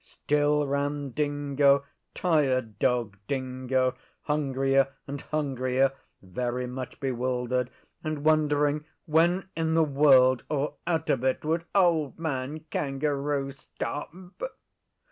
Still ran Dingo Tired Dog Dingo hungrier and hungrier, very much bewildered, and wondering when in the world or out of it would Old Man Kangaroo stop.